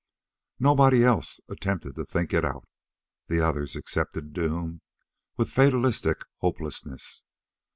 Nobody else attempted to think it out. The others accepted doom with fatalistic hopelessness.